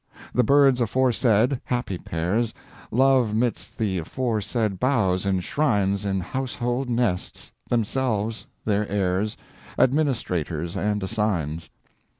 The birds aforesaid, happy pairs, Love 'midst the aforesaid boughs enshrines In household nests—themselves, their heirs, Administrators, and assigns.